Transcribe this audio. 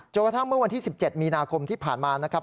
จนกระทั่งเมื่อวันที่๑๗มีนาคมที่ผ่านมา